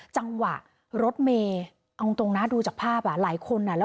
จังหวะรถเมฆเอาจริงนะดูจากภาพหลายคนนะ